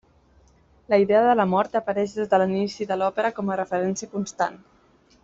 La idea de la mort apareix des de l'inici de l'òpera com a referència constant.